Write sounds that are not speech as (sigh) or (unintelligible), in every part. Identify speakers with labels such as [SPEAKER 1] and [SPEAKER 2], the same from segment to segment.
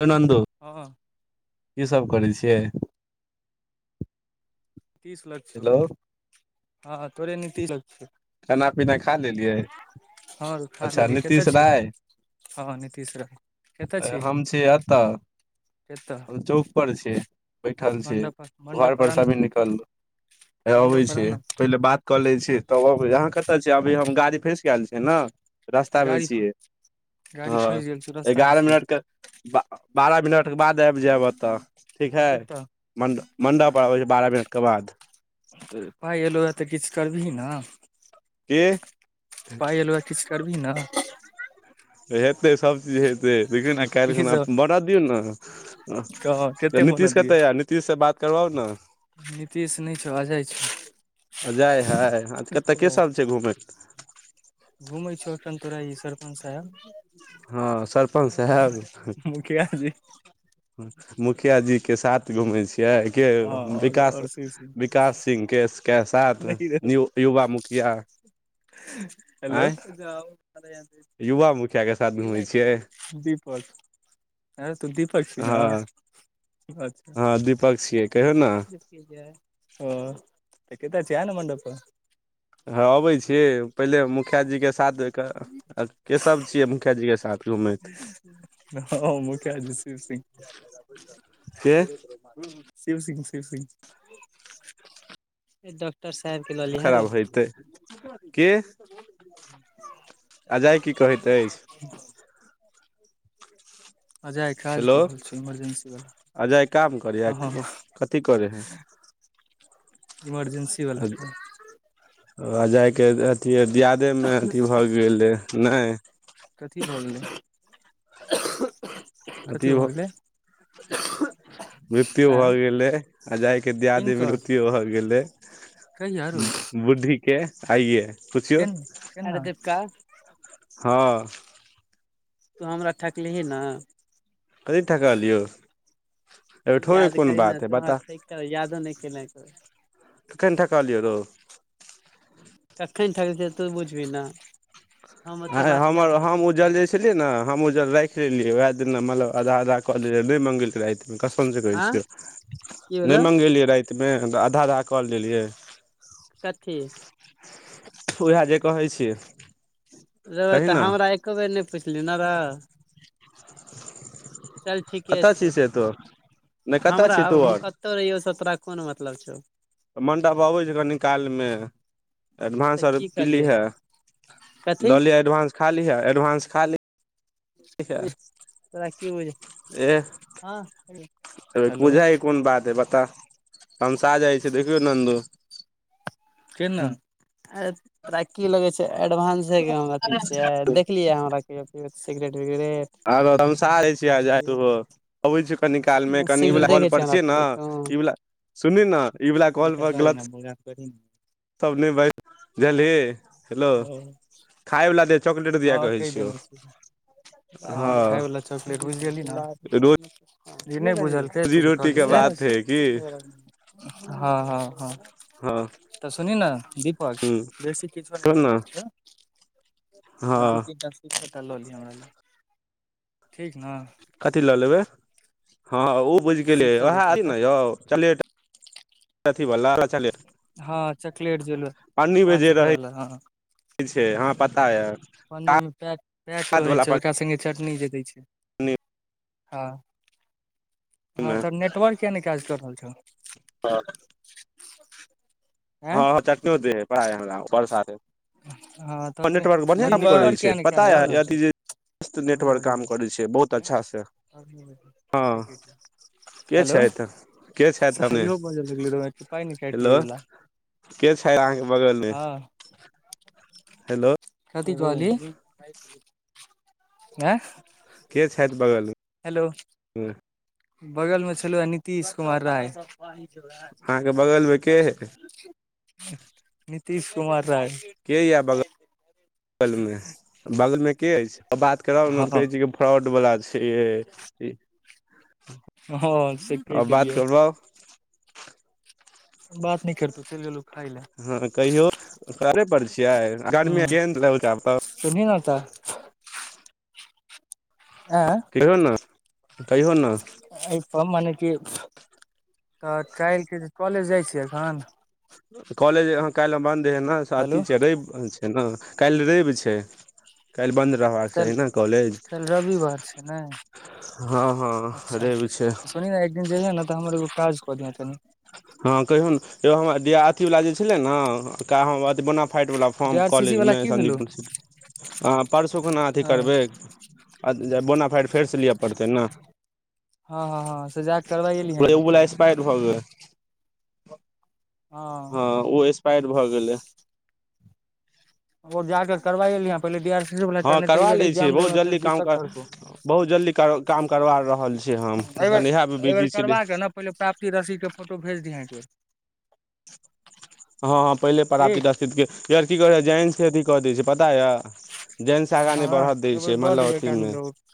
[SPEAKER 1] (unintelligible) नन्दो
[SPEAKER 2] हँ हॅं
[SPEAKER 1] कसभ करै छियै
[SPEAKER 2] तीस लख छौ (unintelligible)
[SPEAKER 1] हेलो
[SPEAKER 2] हँ तोरे नीति लग छै
[SPEAKER 1] खाना पीना खा लेलियै
[SPEAKER 2] हँ खा
[SPEAKER 1] अच्छा
[SPEAKER 2] लेली कतय
[SPEAKER 1] नीतीश
[SPEAKER 2] छी
[SPEAKER 1] राय
[SPEAKER 2] हँ नीतीश राय कतय छी
[SPEAKER 1] कतऽ
[SPEAKER 2] एतऽ
[SPEAKER 1] चौक पर छी बैठल छी
[SPEAKER 2] मंडप पर
[SPEAKER 1] घर
[SPEAKER 2] मंडप पर आ
[SPEAKER 1] परसँ
[SPEAKER 2] ने
[SPEAKER 1] अभी निकल हैये
[SPEAKER 2] मंडप
[SPEAKER 1] अबै
[SPEAKER 2] पर आ
[SPEAKER 1] छी
[SPEAKER 2] ने
[SPEAKER 1] पहिले बात कऽ लै छी तब अबै अहाँ कतय छीयै अभी हम गाड़ी फँसि गेल छै न रास्तामे
[SPEAKER 2] गाड़ी
[SPEAKER 1] छियै
[SPEAKER 2] गाड़ी
[SPEAKER 1] हँ
[SPEAKER 2] फँसि गेल छौ रस्ता मे
[SPEAKER 1] एगारह
[SPEAKER 2] छी
[SPEAKER 1] मिनटके ब बारह मिनटके बाद आबि जायब ओतऽ ठीक हइ
[SPEAKER 2] कतऽ
[SPEAKER 1] मण्ड मणडप पर अबैत छै बारह मिनटके बाद
[SPEAKER 2] तऽ पाय एलौये तऽ किछु करबीही ने
[SPEAKER 1] एह
[SPEAKER 2] पाइ एलौए किछु करबिही ने
[SPEAKER 1] तऽ हेतै सभचीज हेतै देखही ने काल्हि
[SPEAKER 2] की
[SPEAKER 1] खना
[SPEAKER 2] सब
[SPEAKER 1] बढ़ दियौ
[SPEAKER 2] कह
[SPEAKER 1] ने
[SPEAKER 2] कते बनऽ
[SPEAKER 1] नितीश
[SPEAKER 2] दियै
[SPEAKER 1] कतऽ ये नीत तीश से बात करबाउ ने
[SPEAKER 2] नीतीश नय छौ अजय छौ
[SPEAKER 1] अजय हय कतय केसब छै घूमैत
[SPEAKER 2] घुमै छौ एखन तोरा ई सरपञ्च साहेब
[SPEAKER 1] हँ सरपञ्च साहेब
[SPEAKER 2] मुखिया जी
[SPEAKER 1] मुखिया जी के साथ घूमै छियै के
[SPEAKER 2] हँ और
[SPEAKER 1] विकास
[SPEAKER 2] और शिव सिंह
[SPEAKER 1] विकास सिंहके के साथ
[SPEAKER 2] नहि
[SPEAKER 1] युवा मुखिया
[SPEAKER 2] हेलो
[SPEAKER 1] आँय
[SPEAKER 2] (unintelligible)
[SPEAKER 1] युवा मुखिया के साथ घूमै छियै
[SPEAKER 2] (unintelligible) दीपक ऐं रौ तू दीपक छिही न अच्छा अच्छा
[SPEAKER 1] पक छियै कहियौ ने
[SPEAKER 2] ओ तऽ कतऽ छे आने मंडप पर
[SPEAKER 1] हँ अबै छियै पहिले मुखिया जीके साथ दे कऽ आ के सब छियै मुखिया जी के साथ घूमैत
[SPEAKER 2] हम मुखिया जी शिवसिंव
[SPEAKER 1] के
[SPEAKER 2] शिव सिंह शिव सिंह डॉक्टर साहब के लऽ लिहें रौ
[SPEAKER 1] खराब हेतै के अजय की कहैत अछि?
[SPEAKER 2] (inaudible) अजय काज
[SPEAKER 1] हेलो
[SPEAKER 2] कऽ रहल छी इमरजेंसी वाला
[SPEAKER 1] अजय काम करैये
[SPEAKER 2] हँ हँ
[SPEAKER 1] की कथी करै हय (inaudible)
[SPEAKER 2] इमरजेंसी बला काम
[SPEAKER 1] ओ अजयके अथी दियादेमे अथी भऽ गेलै नय
[SPEAKER 2] कथी भऽ गेलै
[SPEAKER 1] अथी
[SPEAKER 2] कथी भऽ गेलै?
[SPEAKER 1] मृत्यु
[SPEAKER 2] आँ
[SPEAKER 1] भऽ गेलै, अजय के दियादी
[SPEAKER 2] किनकर
[SPEAKER 1] मृत्यु भऽ गेलै।
[SPEAKER 2] कहिया रौ
[SPEAKER 1] बुढ़ी के आइये पुछियौ
[SPEAKER 2] चल न चल न रे दिपका (unintelligible)
[SPEAKER 1] हँ
[SPEAKER 2] तू हमरा ठकलिही न
[SPEAKER 1] कथी ठकलियौ एहिमे ठोके
[SPEAKER 2] याद
[SPEAKER 1] कोन
[SPEAKER 2] करही न
[SPEAKER 1] बात हइ
[SPEAKER 2] तु हमरा
[SPEAKER 1] बता
[SPEAKER 2] ठकि कऽ यादो नय केने छें
[SPEAKER 1] कन्टा कहलीओ रो
[SPEAKER 2] कखन ठकत तू बुझबही ने हम ओते बात याद रैखे छियै
[SPEAKER 1] लै ने हम ओ जे राखि लेलियै, वएह दिन ने मतलब आधा-आधा क नय मंगि रहलैए। कसम सँ कहै
[SPEAKER 2] आँ
[SPEAKER 1] छियै,
[SPEAKER 2] की
[SPEAKER 1] नय
[SPEAKER 2] भेलौ
[SPEAKER 1] मँगैलियै। राति मे हम आधा-आधा क लेलियै।
[SPEAKER 2] कथी
[SPEAKER 1] उएह जे कहै छिये
[SPEAKER 2] रहबै तऽ हमरा एको बेर नय पुछलिय ने रो चल ठीके
[SPEAKER 1] कतऽ छी
[SPEAKER 2] छौ।
[SPEAKER 1] से तो नहि कतऽ
[SPEAKER 2] हमरा
[SPEAKER 1] छी तू
[SPEAKER 2] आब हम
[SPEAKER 1] आर
[SPEAKER 2] कतहु रहियौ, तोरा कोन मतलब छौ?
[SPEAKER 1] तऽ मण्डप अबै छै कनिकालय मे एडवान्स
[SPEAKER 2] तऽ
[SPEAKER 1] आर
[SPEAKER 2] की
[SPEAKER 1] पी
[SPEAKER 2] करियै
[SPEAKER 1] लिहे
[SPEAKER 2] कथी
[SPEAKER 1] लऽ लिहे एडवान्स खा लीहऽ एडवान्स खा लीह
[SPEAKER 2] एह तोरा कि बुझे
[SPEAKER 1] ए
[SPEAKER 2] हेलो
[SPEAKER 1] पूजा हइ कोन बात है, बता तममसा जाइ छ देखियौ नन्दू
[SPEAKER 2] केना तरा की लगे छै एडवानंसथ के हम अथि छिये द देखलिये हमरा कईओ पियत सिगरेट वगरेट
[SPEAKER 1] आर धनशाह (unintelligible) छी उहो अबै छी कनी कालमे, कनि ई
[SPEAKER 2] सिगरेट
[SPEAKER 1] वाला कॉल
[SPEAKER 2] देखै
[SPEAKER 1] पर
[SPEAKER 2] हमरा
[SPEAKER 1] छियै ने।
[SPEAKER 2] पिबैत तू
[SPEAKER 1] ई वाला सुनू ने, ई वाला कॉल पर गलत
[SPEAKER 2] कठिन
[SPEAKER 1] तब नय (unintelligible) जझलियै हेलो
[SPEAKER 2] ओ
[SPEAKER 1] खायवला द चॉकलेट दआ कहै छै ओ
[SPEAKER 2] ह खााय वला चॉकलेट बुझजलिय ना कि नय बुझल
[SPEAKER 1] रोजी रोटी के बात है की
[SPEAKER 2] (unintelligible) हँ हँ हँ
[SPEAKER 1] हँ
[SPEAKER 2] तऽ सुन ने दीपक
[SPEAKER 1] ह
[SPEAKER 2] बेसी किछो नय
[SPEAKER 1] तब ने
[SPEAKER 2] करबाक छै ह दू
[SPEAKER 1] हँ
[SPEAKER 2] तीन ट्रां (unintelligible) ले लियोह हमरा ला ठीक न
[SPEAKER 1] कथी लऽ लेबै हँ, ओ बुझि गेलियै
[SPEAKER 2] शिखर दू
[SPEAKER 1] उएह
[SPEAKER 2] तीन टा
[SPEAKER 1] ने यौ अथी बला (unintelligible)
[SPEAKER 2] हँ, चॉकलेट जे पाँच रुपआ वला हँ।
[SPEAKER 1] ठीक छै हँ पता यऽ
[SPEAKER 2] पन्नी मे पैक पैक रहै छै ओकरा संगे चटनी जे दै छै।
[SPEAKER 1] पन्नीमे
[SPEAKER 2] हँ हँ तऽ नेटवर्क किआ नय काज कऽ रहल छौ
[SPEAKER 1] (unintelligible)
[SPEAKER 2] आँ
[SPEAKER 1] हँ चट्टियो देह हइ (unintelligible) हमरा ओकर साथे
[SPEAKER 2] हँ तोहर ने
[SPEAKER 1] नेटवर्क
[SPEAKER 2] तोहर
[SPEAKER 1] बढ़िआँ काम करै
[SPEAKER 2] नेटवर्क
[SPEAKER 1] छै
[SPEAKER 2] किया नहि काज
[SPEAKER 1] पता
[SPEAKER 2] कऽ
[SPEAKER 1] यए अथी
[SPEAKER 2] रहल
[SPEAKER 1] जे (unintelligible) नेटवर्क काम करै छै बहुत अच्छा सँ
[SPEAKER 2] छौ
[SPEAKER 1] हँ। के
[SPEAKER 2] हेलो
[SPEAKER 1] छथि के छथि संगे
[SPEAKER 2] सहयो बजऽ लगलै रौ पाइ ने काटि लौ
[SPEAKER 1] हेलो।
[SPEAKER 2] ई वला
[SPEAKER 1] के छै अहाँ के बगल मे
[SPEAKER 2] हँ (inaudible)
[SPEAKER 1] हेलो
[SPEAKER 2] कथ कह अली आँ
[SPEAKER 1] के छथ बगल मे।
[SPEAKER 2] हेलो।
[SPEAKER 1] (unintelligible)
[SPEAKER 2] बगल मे छलौय नीतिश कुमार राय।
[SPEAKER 1] अहाँ के बगल मे के ह
[SPEAKER 2] नीतीश कुमार राय (unintelligible)
[SPEAKER 1] के ये बगल बगल मे बगल मे के अछि बात कराऊ
[SPEAKER 2] हँ
[SPEAKER 1] न कहै छियै की। फ्रॉड बला छै यै
[SPEAKER 2] हँ हँ से कहि
[SPEAKER 1] बात
[SPEAKER 2] देलियै।
[SPEAKER 1] करबाउ
[SPEAKER 2] बात नय करतौ चलि गेलौ। खाय लए
[SPEAKER 1] हँ कहियौ घरे पर छियै (unintelligible)
[SPEAKER 2] सुनहि न तऽ आँय
[SPEAKER 1] कहियो न कहियो न
[SPEAKER 2] एहिपर माने कि तऽ काल्हिके जे छै कॉलेज जाइ छियै अखन (unintelligible)
[SPEAKER 1] कॉलेज अहाँ काल्हि बन्द हए ने से
[SPEAKER 2] हेलो
[SPEAKER 1] अधि छै रवि छै ने काल्हि रवि छै। काल्हि बन्द रहबाक चाही
[SPEAKER 2] काल्हि
[SPEAKER 1] न कॉलेज।
[SPEAKER 2] काल्हि रविवार छै ने
[SPEAKER 1] हँ हँ रवि छै।
[SPEAKER 2] जैहें न तऽ हमर एगो काज कऽ दिहें तनि
[SPEAKER 1] हँ कहियौ न यो हमर अथी वाला जे छलै ने बोना फाइड वला फॉर्म
[SPEAKER 2] जे आर सी सी
[SPEAKER 1] कॉलेज
[SPEAKER 2] वाला
[SPEAKER 1] मे
[SPEAKER 2] की भेलौ
[SPEAKER 1] संदीप (unintelligible) हाँ परसू कोना अथी
[SPEAKER 2] हँ
[SPEAKER 1] करबै। आथि जे बोनाफाइड फेर सँ लिय पड़तै न।
[SPEAKER 2] हँ हँ हँ से जा कऽ करबाइए लिहें अहिबेर पहिले।
[SPEAKER 1] पाइड भए गेल
[SPEAKER 2] हँ
[SPEAKER 1] ओ एक्सपाइड भऽ गेलै।
[SPEAKER 2] ओ जा क करबाइए लिहें पहिले डी आर सी ओ
[SPEAKER 1] हँ
[SPEAKER 2] फेर नै तऽ
[SPEAKER 1] करबा
[SPEAKER 2] एहिबेर
[SPEAKER 1] लै छियै
[SPEAKER 2] इक्जाम देइ मे फेर दिक्कत
[SPEAKER 1] कर
[SPEAKER 2] करतौ।
[SPEAKER 1] बहुत जल्दी काम काम करबा रहल छियै हम
[SPEAKER 2] एहिबेर
[SPEAKER 1] कनी इहे मे
[SPEAKER 2] एहिबेर
[SPEAKER 1] बिजी छी।
[SPEAKER 2] करबा के नऽ पहिले प्राप्ति रसिद के फोटो भेज दिहें एकबेर।
[SPEAKER 1] हँ हँ पहिले प्राप्ती
[SPEAKER 2] ठीक
[SPEAKER 1] रसिद के यार की करै हय जाइन से अधि कऽ दैए छै पता ऎ। जानि सँ आगा नय नय
[SPEAKER 2] हँ
[SPEAKER 1] बढ़ दै
[SPEAKER 2] एहिबेर
[SPEAKER 1] छै
[SPEAKER 2] दऽ
[SPEAKER 1] मतलब
[SPEAKER 2] देबै एक
[SPEAKER 1] अथी
[SPEAKER 2] आदमी
[SPEAKER 1] मे।
[SPEAKER 2] के ओ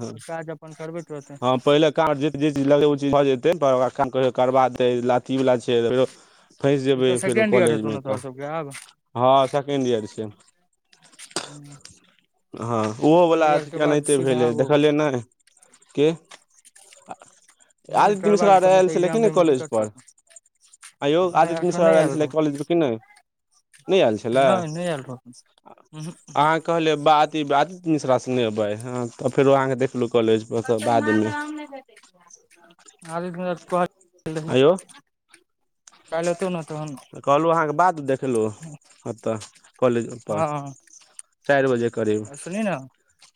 [SPEAKER 1] हँ
[SPEAKER 2] काज अपन करबैत रहतै
[SPEAKER 1] हँ पहिले। जे चीज लगै ओ चीज भऽ जेतै काम करबा देै लाती वाला छै (unintelligible) फँसि
[SPEAKER 2] ई
[SPEAKER 1] जेबै
[SPEAKER 2] तऽ
[SPEAKER 1] फेरो
[SPEAKER 2] सेकेंड ईयर
[SPEAKER 1] कॉलेज
[SPEAKER 2] हेतौ
[SPEAKER 1] मे
[SPEAKER 2] ने
[SPEAKER 1] तऽ
[SPEAKER 2] तोहर सबके आब
[SPEAKER 1] हँ सेकेण्ड ईयर छै।
[SPEAKER 2] हूँ
[SPEAKER 1] हँ ओहो
[SPEAKER 2] सेकेंड
[SPEAKER 1] बला
[SPEAKER 2] ईयर
[SPEAKER 1] एथि के
[SPEAKER 2] बाद
[SPEAKER 1] एनाहिते
[SPEAKER 2] सीधा
[SPEAKER 1] भैले
[SPEAKER 2] ओ
[SPEAKER 1] देखलियै नय के।
[SPEAKER 2] नहि नहि
[SPEAKER 1] आदित्य
[SPEAKER 2] करबा
[SPEAKER 1] मिश्रा आर
[SPEAKER 2] लेतौ नहि
[SPEAKER 1] आएल
[SPEAKER 2] तऽ
[SPEAKER 1] छलै कि
[SPEAKER 2] एग्जाम
[SPEAKER 1] नय
[SPEAKER 2] दै मे
[SPEAKER 1] कॉलेज
[SPEAKER 2] दिक्कत
[SPEAKER 1] पर
[SPEAKER 2] करतौ
[SPEAKER 1] आँय यौ आदित्य
[SPEAKER 2] नहि
[SPEAKER 1] मिश्रा।
[SPEAKER 2] एखन
[SPEAKER 1] मिश्रा आओर
[SPEAKER 2] नहि
[SPEAKER 1] आएल
[SPEAKER 2] आयल
[SPEAKER 1] छ्लै
[SPEAKER 2] रहौ
[SPEAKER 1] कॉलेज पर कि नय नय एल छलै
[SPEAKER 2] नहि नहि आयल रहौ उहूँ
[SPEAKER 1] आहाँ कहलियै बात। आदित्य मिश्रा संगे एबैए हँ तऽ फेर आहाँ के देखलू कॉलेज पर अत बाद मे।
[SPEAKER 2] आर छै
[SPEAKER 1] आंयौ
[SPEAKER 2] (unintelligible) काइल ऐतौ ने तहन
[SPEAKER 1] कहलु अहाँके बाद देखलु ओतऽ कॉलेज पर।
[SPEAKER 2] हँ
[SPEAKER 1] चारि बजे करीब।
[SPEAKER 2] सुनही ने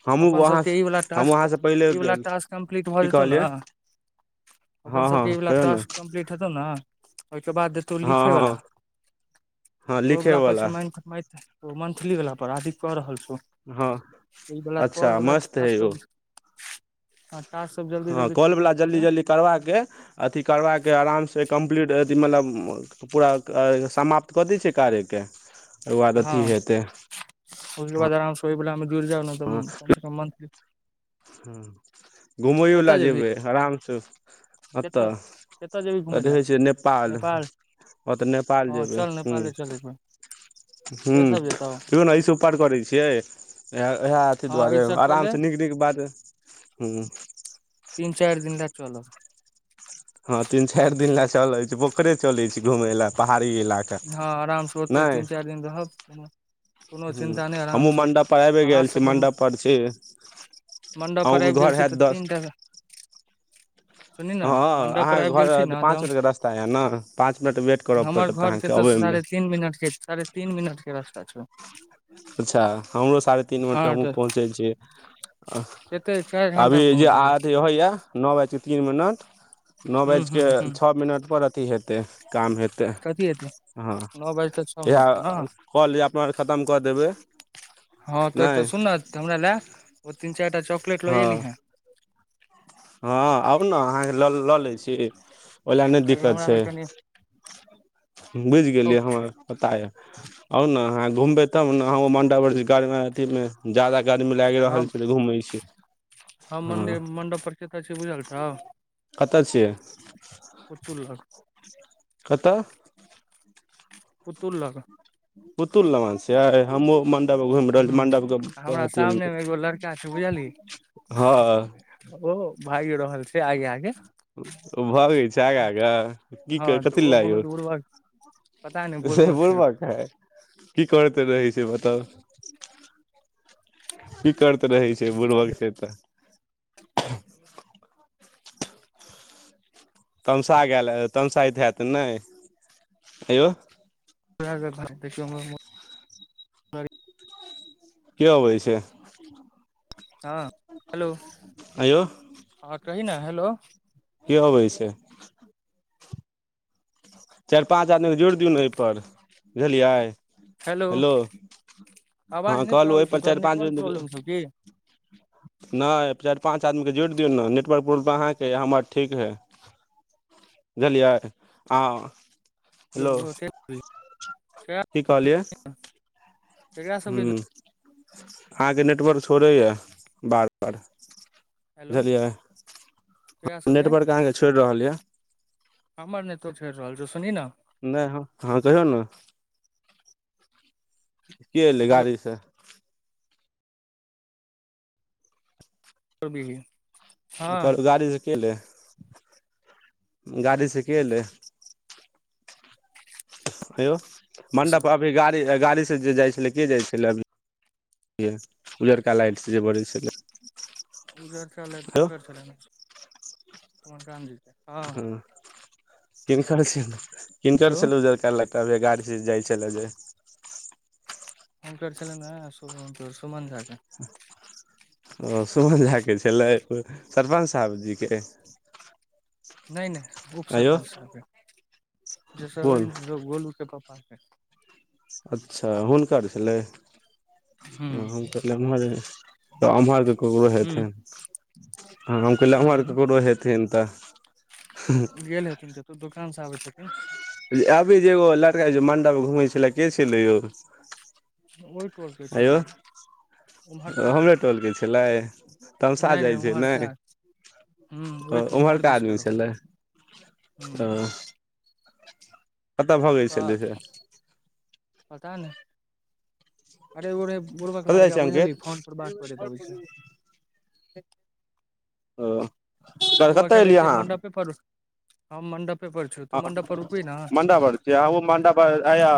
[SPEAKER 1] हमहूँ
[SPEAKER 2] अपन
[SPEAKER 1] वहाँ
[SPEAKER 2] सभके ई बला
[SPEAKER 1] हमहूँ
[SPEAKER 2] टास्क
[SPEAKER 1] अहाँसँ पहिले
[SPEAKER 2] ई बला
[SPEAKER 1] गेल
[SPEAKER 2] टास्क कम्प्लीट भऽ
[SPEAKER 1] की
[SPEAKER 2] जेतौ न।
[SPEAKER 1] कहलियै
[SPEAKER 2] अप्पन
[SPEAKER 1] हँ
[SPEAKER 2] सब
[SPEAKER 1] हँ
[SPEAKER 2] के इ बला
[SPEAKER 1] कहियौ ने
[SPEAKER 2] टास्क कम्प्लीट हेतौ न ओहि के बाद। तौ
[SPEAKER 1] हँ
[SPEAKER 2] लिखै
[SPEAKER 1] हँ
[SPEAKER 2] बला
[SPEAKER 1] हँ
[SPEAKER 2] ओ बला पर छै
[SPEAKER 1] लिखयवला
[SPEAKER 2] माइंग कऽ ओ मंथलीवला पर अदित्य कऽ रहल छौ
[SPEAKER 1] हँ
[SPEAKER 2] ई बला कॉल
[SPEAKER 1] अच्छा
[SPEAKER 2] बला
[SPEAKER 1] मस्त हइ
[SPEAKER 2] टास्क
[SPEAKER 1] ओ
[SPEAKER 2] सब। हँ टास्क सब जल्दी
[SPEAKER 1] हँ
[SPEAKER 2] जल्दी
[SPEAKER 1] कॉलवला
[SPEAKER 2] कम्प्लीट
[SPEAKER 1] जल्दी
[SPEAKER 2] कले
[SPEAKER 1] जल्दी करबा के अथी करबा के आराम सँ कम्प्लीट अथी मतलब। पूरा समाप्त कऽ दै छैए कार्य के ओकर बाद
[SPEAKER 2] हँ
[SPEAKER 1] अथि हैतै।
[SPEAKER 2] ओहिके बाद आराम से ओहि बला मे जुरि जाउ ने तऽ
[SPEAKER 1] हँ
[SPEAKER 2] कम से कम मंथ
[SPEAKER 1] घुमैयो लए
[SPEAKER 2] कतऽ जेबही
[SPEAKER 1] जेबै आरामसँ अत
[SPEAKER 2] कतऽ कतऽ जेबही घुमै
[SPEAKER 1] एतेय
[SPEAKER 2] लए
[SPEAKER 1] है छैय नेपाल ह तऽ नेपाल
[SPEAKER 2] हँ
[SPEAKER 1] जेयबैय
[SPEAKER 2] चल
[SPEAKER 1] हू
[SPEAKER 2] नेपाले चल एक बेर
[SPEAKER 1] हू
[SPEAKER 2] के सब जेतौ
[SPEAKER 1] कहिय न ऐ स उपर करै छियै इएह इएह अथी
[SPEAKER 2] हँ ई
[SPEAKER 1] दुआरे
[SPEAKER 2] सब कऽ
[SPEAKER 1] आराम
[SPEAKER 2] ले
[SPEAKER 1] से नीक नीके बात हू
[SPEAKER 2] तीन चाइर दिन लऽ चलब
[SPEAKER 1] ह तीन चार दिन लए चलै छी पोखरे चले छी घूमय लए पहाड़ी इलाका
[SPEAKER 2] ह आराम से ओतै
[SPEAKER 1] नहि
[SPEAKER 2] तीन चार दिन रहब कोनो
[SPEAKER 1] हूँ
[SPEAKER 2] चिन्ता नय आराम
[SPEAKER 1] हमहूँ
[SPEAKER 2] स
[SPEAKER 1] मण्डप पर आबि
[SPEAKER 2] पहाड़
[SPEAKER 1] गेल
[SPEAKER 2] सभ
[SPEAKER 1] छी
[SPEAKER 2] पर म
[SPEAKER 1] मण्डप छी
[SPEAKER 2] मंडप पर
[SPEAKER 1] अहूँके
[SPEAKER 2] आइब गेल
[SPEAKER 1] घर
[SPEAKER 2] छी
[SPEAKER 1] हैत
[SPEAKER 2] तऽ
[SPEAKER 1] दस
[SPEAKER 2] तीन टा सुनी न
[SPEAKER 1] हँ
[SPEAKER 2] मंडप पर
[SPEAKER 1] अहाँके
[SPEAKER 2] आब गेल छी
[SPEAKER 1] घर
[SPEAKER 2] न त
[SPEAKER 1] पाँच मिनटके रास्ता यए ने पाँच मिनट वेट करय
[SPEAKER 2] हमर
[SPEAKER 1] पड़त
[SPEAKER 2] घर ऐत
[SPEAKER 1] अहाँके
[SPEAKER 2] स
[SPEAKER 1] अबयमे
[SPEAKER 2] साढ़े तीन मिनट के साढ़े तीन मिनट के रास्ता छओ
[SPEAKER 1] अच्छा हमरो साढ़े तीन मिनट के
[SPEAKER 2] हँ
[SPEAKER 1] हमहू
[SPEAKER 2] तऽ
[SPEAKER 1] पहुँचै छी
[SPEAKER 2] कते चारि
[SPEAKER 1] (inaudible)
[SPEAKER 2] घंटा मे
[SPEAKER 1] अभी जे
[SPEAKER 2] पहुँच
[SPEAKER 1] आ
[SPEAKER 2] जेबै
[SPEAKER 1] अथि होए या नओ बाजके तीन मिनट नओ
[SPEAKER 2] हूँ हूँ
[SPEAKER 1] बाजके
[SPEAKER 2] हूँ
[SPEAKER 1] छओ मिनट पर अथी हेतै तै काम हेतै
[SPEAKER 2] कथी एतै
[SPEAKER 1] हँ
[SPEAKER 2] नओ बाजि कऽ छओ
[SPEAKER 1] इह
[SPEAKER 2] मिनट पर ने
[SPEAKER 1] कल अपना अर खतम कऽ देबै
[SPEAKER 2] हँ तो तऽ
[SPEAKER 1] नहि
[SPEAKER 2] सुन हमरा ले ओ तीन चार टा चॉकलेट लऽ
[SPEAKER 1] हँ
[SPEAKER 2] एली हे
[SPEAKER 1] हँ आउ ने अहाँके ल लऽ लै छी ओहि लए नय
[SPEAKER 2] कियाकि
[SPEAKER 1] दिक्कत
[SPEAKER 2] हमरा
[SPEAKER 1] छै
[SPEAKER 2] लग कनि
[SPEAKER 1] बुझगेलियै
[SPEAKER 2] शौक
[SPEAKER 1] हमअर
[SPEAKER 2] छै
[SPEAKER 1] पता य आउ ने अहाँ घुमबै तब ने मड (unintelligible) गड़ अथ जादा गरमी लाएग रहल
[SPEAKER 2] हम
[SPEAKER 1] छलै घुमय छी हँ
[SPEAKER 2] केत छय बुझल छौ
[SPEAKER 1] कतऽ छियै
[SPEAKER 2] पुतुल लग
[SPEAKER 1] कतऽ
[SPEAKER 2] पुत्तुल लग
[SPEAKER 1] पुतुल लगन छियई हमहू मन (unintelligible) घुमि रहल
[SPEAKER 2] हूँ
[SPEAKER 1] मंडल के
[SPEAKER 2] हमरा
[SPEAKER 1] अथी
[SPEAKER 2] सामने मे एगो लड़का छै बुझलही
[SPEAKER 1] हँ
[SPEAKER 2] ओ भाग रहल छै आगे आगे
[SPEAKER 1] ओ भागै छै आगा आगा की
[SPEAKER 2] हँ
[SPEAKER 1] कर
[SPEAKER 2] तऽ
[SPEAKER 1] कथी
[SPEAKER 2] ओ
[SPEAKER 1] लऽ लै
[SPEAKER 2] बहुत उर्वक पता नहि
[SPEAKER 1] से
[SPEAKER 2] पूर्वक छै
[SPEAKER 1] बुरबक है की करते रहै छै बताउ की करत रहै छै बुरबक छै तऽ तमसा गेल तमसायत हैत नय हेयो
[SPEAKER 2] (inaudible) देखियौ हम्मर मोन
[SPEAKER 1] के अबै छै (inaudible)
[SPEAKER 2] (inaudible) हँ हेलो
[SPEAKER 1] अयो
[SPEAKER 2] हँ कही ने हेलो
[SPEAKER 1] के अबैय छै चार पाँच आदमी जोड़ दियौ ने एहिपर बुझलियै हेलो
[SPEAKER 2] आवाज
[SPEAKER 1] हँ
[SPEAKER 2] नहि
[SPEAKER 1] कहलो
[SPEAKER 2] आबै
[SPEAKER 1] ओय
[SPEAKER 2] छौ
[SPEAKER 1] पर
[SPEAKER 2] तोहर
[SPEAKER 1] चार पाँच
[SPEAKER 2] नेटवर्क
[SPEAKER 1] (unintelligible)
[SPEAKER 2] (unintelligible)
[SPEAKER 1] नय चार पाँच आदमी के जोड़ दियौन ना नेटवर्क प्रॉब्लम अहाँके य हमर ठीक हइ बुझलियै हँ हेलो की कहलियै
[SPEAKER 2] ककरा सबके
[SPEAKER 1] (unintelligible) अहाँके नेटवर्क छोड़इए बार बार
[SPEAKER 2] हेलो
[SPEAKER 1] बुझलियै
[SPEAKER 2] ककरा
[SPEAKER 1] (inaudible)
[SPEAKER 2] सबके
[SPEAKER 1] नेटवर्क अहाँके छोड़ रहल यऽ
[SPEAKER 2] हमर नै तोर छोर रहल छौ सुनही न
[SPEAKER 1] नहि बुझलू नू के एलै गाड़ी से
[SPEAKER 2] त भी ही (unintelligible)
[SPEAKER 1] काईल गाड़ी सऽ के एलै गाड़ी से के एलै हे यौ मण्डप अभी गाड़ी गाड़ीसँ जे जाइ छलै के जाइ छलै अभी उजरका लाइट से जे बढ़ै छलै
[SPEAKER 2] उजरका लाइट
[SPEAKER 1] हेलो
[SPEAKER 2] सुनकर छलनि हें (unintelligible)
[SPEAKER 1] हूं किन कर छेलै किन कर
[SPEAKER 2] हेलो
[SPEAKER 1] छलै उजरका लाइट तभे गाड़ीसँ जाइ छलै जे
[SPEAKER 2] हुनकर छलनि ने सुमन झा के
[SPEAKER 1] ओ सुमल झा के छलै सरपञ्च साहब जीे के
[SPEAKER 2] नय नय उप
[SPEAKER 1] आंयौ
[SPEAKER 2] सरपञ्च सबके जैसऽ
[SPEAKER 1] कोन
[SPEAKER 2] गोलू के पापा के
[SPEAKER 1] अच्छा हुनकर छलै
[SPEAKER 2] हूँ
[SPEAKER 1] अमहर तऽ अम्हर के ककरो
[SPEAKER 2] हूँ
[SPEAKER 1] हेथिन हम कहल हमँ आर
[SPEAKER 2] हूँ
[SPEAKER 1] ककरो हेथिन तऽ हूं
[SPEAKER 2] गेल हेथिन कतौ दोकान से आबै छथिन
[SPEAKER 1] अभी जे एगो लड़का मंडल घुमै छलै के छलै यौ
[SPEAKER 2] ओई टोलके छलै उ
[SPEAKER 1] ओ हमरे टोलके छलै तमशा
[SPEAKER 2] नहि नहि
[SPEAKER 1] जाइ छै
[SPEAKER 2] उम्हरका
[SPEAKER 1] नय
[SPEAKER 2] हूँ ओहि
[SPEAKER 1] ओ
[SPEAKER 2] टोल उम्हर
[SPEAKER 1] उम्हरका
[SPEAKER 2] दिसका
[SPEAKER 1] आदमी
[SPEAKER 2] रहौ
[SPEAKER 1] छलै
[SPEAKER 2] हूँ
[SPEAKER 1] ओ कतऽ भगै
[SPEAKER 2] तऽ
[SPEAKER 1] छलै से
[SPEAKER 2] पता नय अरे ओे बुड़बक
[SPEAKER 1] कतऽ जाइ
[SPEAKER 2] लड़का
[SPEAKER 1] छियै
[SPEAKER 2] बुझल्हि
[SPEAKER 1] अंकित
[SPEAKER 2] फोन पर बात करति अबै छै
[SPEAKER 1] ओ
[SPEAKER 2] तू
[SPEAKER 1] कतऽ
[SPEAKER 2] एखन
[SPEAKER 1] एलियै
[SPEAKER 2] एतै
[SPEAKER 1] अहाँ
[SPEAKER 2] मंडपे पड़ हँ मंडप
[SPEAKER 1] हँ
[SPEAKER 2] पर रुकबी ने
[SPEAKER 1] म्डा बड़ तब कहुं मंडप पर आया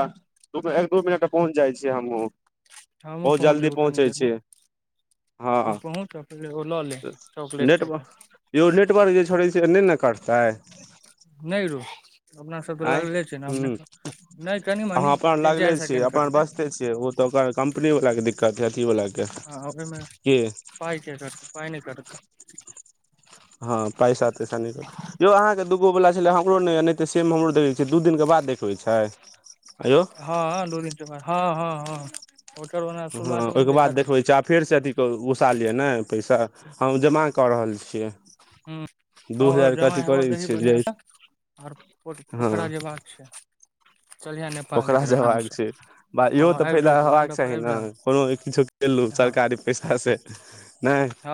[SPEAKER 1] रुकु एक दू मिनट पहुँच जाइ छी हमहूं
[SPEAKER 2] हमहुँ
[SPEAKER 1] बहुत
[SPEAKER 2] पहुँच
[SPEAKER 1] जल्दी
[SPEAKER 2] जेबौ कनी
[SPEAKER 1] पहुँचै
[SPEAKER 2] देर मे
[SPEAKER 1] छी हँ
[SPEAKER 2] तू पहुँच आ पहिले ओ लऽ ले चॉकलेट
[SPEAKER 1] नेटव
[SPEAKER 2] चारिटा
[SPEAKER 1] यौ नेटवर्क जे छोड़ै छै नय ने करतै
[SPEAKER 2] नय रौ अपनासभ तऽ
[SPEAKER 1] आँय
[SPEAKER 2] लगले छै ने अपने
[SPEAKER 1] हूँ
[SPEAKER 2] नय कनि मनि तीन चारि सेकेण्ड कटतै
[SPEAKER 1] से ओ तऽ ओकर कम्पनीवला के दिक्कत हइ अथी वलाके
[SPEAKER 2] हँ ओहिमे
[SPEAKER 1] की
[SPEAKER 2] पाइ किया करतै पाइ नय करतै
[SPEAKER 1] हँ पैसा तैसा नय कटतै यौ अहाँ के दूगो वला छलै हमरो नय नय तऽ सेम हमरो देखै छियै दू दिन के बाद देखबै छै आयौ
[SPEAKER 2] हँ दू दिन के बाद हँ हँ हँ ओकर ओना
[SPEAKER 1] हँ
[SPEAKER 2] शुरुआत मे नय
[SPEAKER 1] ओहिके बाद
[SPEAKER 2] देखा दै
[SPEAKER 1] देखबै
[SPEAKER 2] छै
[SPEAKER 1] आ फेरसँ अथी घुसा लिअ ने पैसा हम जमा कऽ रहल छियै दू
[SPEAKER 2] हूं ह
[SPEAKER 1] हजारके
[SPEAKER 2] जमा
[SPEAKER 1] अथी
[SPEAKER 2] हेब
[SPEAKER 1] करै
[SPEAKER 2] दही
[SPEAKER 1] छियै जे
[SPEAKER 2] बढ़िआसँ आर पो पोखरा जेबाक छै चलिहे नेपाल एहि
[SPEAKER 1] पोखरा
[SPEAKER 2] बेर आराम
[SPEAKER 1] जेबाक
[SPEAKER 2] से
[SPEAKER 1] छै बा
[SPEAKER 2] हँ
[SPEAKER 1] इहो तऽ
[SPEAKER 2] आबि
[SPEAKER 1] फायदा
[SPEAKER 2] जेतौ
[SPEAKER 1] हेबाक
[SPEAKER 2] मंडप पर
[SPEAKER 1] चाही
[SPEAKER 2] आबि
[SPEAKER 1] ने
[SPEAKER 2] जायब
[SPEAKER 1] कोनो किछु एलौ
[SPEAKER 2] हँ
[SPEAKER 1] सरकारी पैसा से नय